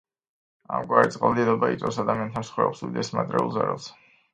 ამგვარი წყალდიდობა იწვევს ადამიანთა მსხვერპლს, უდიდეს მატერიალურ ზარალს.